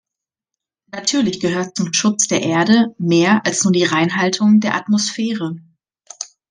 Natürlich gehört zum Schutz der Erde mehr als nur die Reinhaltung der Atmosphäre.